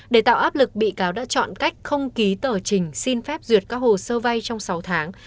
để tạo áp lực bị cáo đã chọn cách không ký tờ trình xin phép duyệt các hồ sơ vay trong sáu tháng